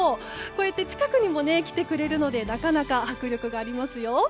こうやって近くにも来てくれるのでなかなか迫力がありますよ。